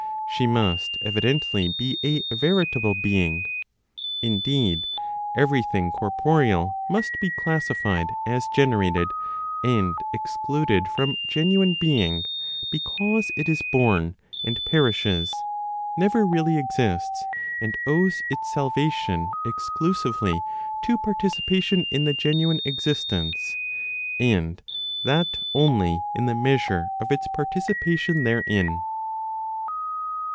She must evidently be a veritable "being." Indeed, everything corporeal must be classified as generated, and excluded from genuine "being," because it is born, and perishes, never really exists, and owes its salvation exclusively to participation in the genuine existence, and that only in the measure of its participation therein.